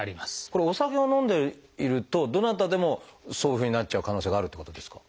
これお酒を飲んでいるとどなたでもそういうふうになっちゃう可能性があるっていうことですか？